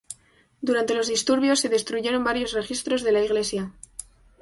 Durante los disturbios, se destruyeron varios registros de la iglesia.